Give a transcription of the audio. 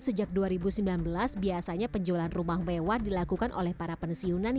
sejak dua ribu sembilan belas biasanya penjualan rumah mewah dilakukan oleh para pensiunan